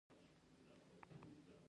د طالبانو مخالف فعالان دي.